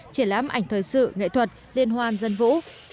triển lãm ảnh thời sự nghệ thuật liên hoan dân vũ